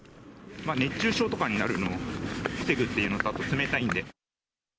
熱中症とかになるのを防ぐっていうのと、あと冷たいんで。